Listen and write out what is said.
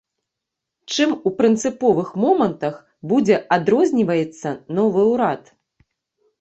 Чым у прынцыповых момантах будзе адрозніваецца новы ўрад?